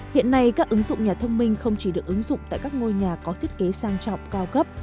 hiện nay các ứng dụng nhà thông minh không chỉ được ứng dụng tại các ngôi nhà có thiết kế sang trọng cao cấp